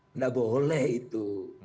tidak boleh itu